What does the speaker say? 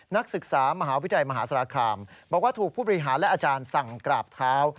นักศึกษามหาวิทยาลัยมหาสารคามบอกว่าถูกผู้บริหารและอาจารย์สั่งกราบเท้า